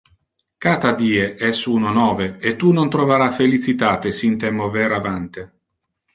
Cata die es uno nove e tu non trovara felicitate sin te mover avante.